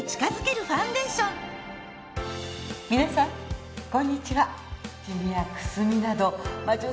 皆さんこんにちは。